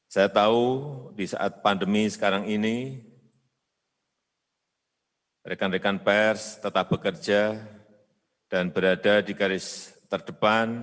saya tahu di saat pandemi sekarang ini rekan rekan pers tetap bekerja dan berada di garis terdepan